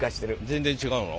全然違うの？